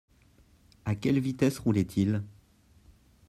À quelle vitesse roulait-il ?